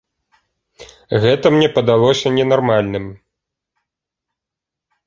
Гэта мне падалося ненармальным.